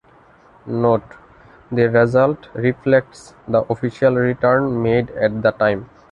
"Note:" The result reflects the official return made at the time.